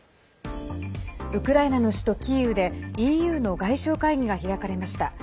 ウクライナの首都キーウでＥＵの外相会議が開かれました。